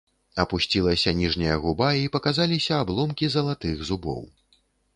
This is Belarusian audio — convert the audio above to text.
Апусцілася ніжняя губа, і паказаліся абломкі залатых зубоў.